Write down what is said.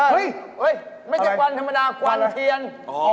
เฮ้ยไม่ใช่ควันธรรมดาควันเทียน